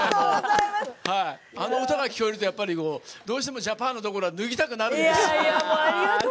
あの歌が聴こえるとどうしてもジャパン！のところは脱ぎたくなるんです。